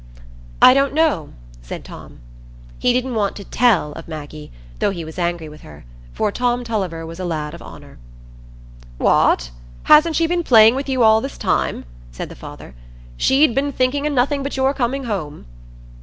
"I don't know," said Tom. He didn't want to "tell" of Maggie, though he was angry with her; for Tom Tulliver was a lad of honour. "What! hasn't she been playing with you all this while?" said the father. "She'd been thinking o' nothing but your coming home."